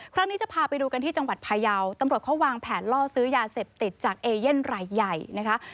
ครั้งนี้จะพาไปดูกันที่จังหวัดพายาวตำรวจเขาวางแผนล่อซื้อยาเสพติดจากเอเย่นรายใหญ่นะคะ